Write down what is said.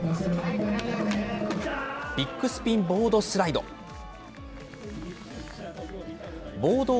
ビッグスピンボードスライド。